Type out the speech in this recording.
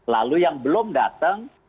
lalu yang belum datang